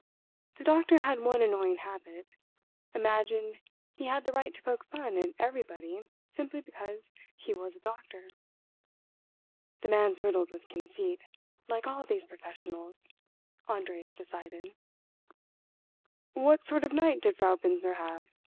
The doctor had one annoying habit—imagined he had the right to poke fun at everybody simply because he was a doctor. "The man's riddled with conceit, like all these professionals," Andreas decided. "What sort of night did Frau Binzer have?"